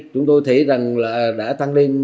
chúng tôi thấy đã tăng lên